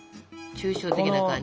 抽象的な感じで。